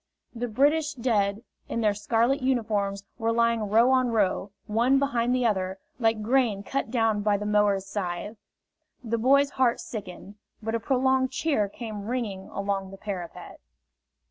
The British dead, in their scarlet uniforms, were lying row on row, one behind the other, like grain cut down by the mower's scythe. The boy's heart sickened. But a prolonged cheer came ringing along the parapet.